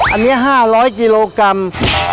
อันนี้๕๐๐กิโลกรัม